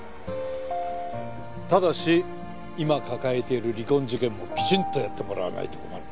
ただし今抱えている離婚事件もきちんとやってもらわないと困る。